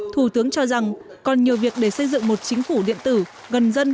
thủ tướng cho rằng còn nhiều việc để xây dựng một chính phủ điện tử gần dân